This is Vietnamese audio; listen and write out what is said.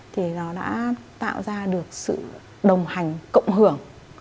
thì nó đã tạo ra được sự đồng hành cộng hưởng